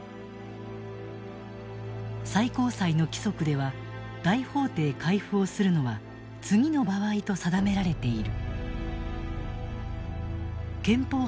最高裁の規則では大法廷回付をするのは次の場合と定められている。